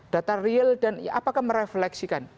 data real dan apakah merefleksikan